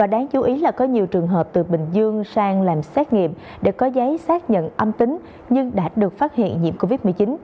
đáng chú ý là có nhiều trường hợp từ bình dương sang làm xét nghiệm để có giấy xác nhận âm tính nhưng đã được phát hiện nhiễm covid một mươi chín